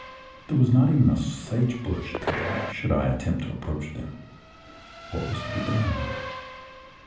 There was not even a sage bush to cover me, should I attempt to approach them. What was to be done?